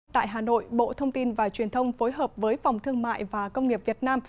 tại hà nội bộ thông tin và truyền thông phối hợp với phòng thương mại và công nghiệp việt nam